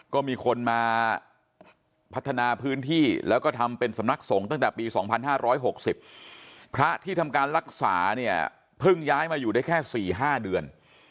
ก็มีคนมาพัฒนาพื้นที่แล้วก็ทำเป็นสำนักสงฆ์ตั้งแต่ปี๒๕๖๐พระที่ทำการรักษาเนี่ยเพิ่งย้ายมาอยู่ได้แค่๔๕เดือน